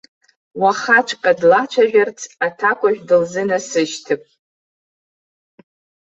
Уахаҵәҟьа длацәажәарц аҭакәажә дылзынасышьҭып.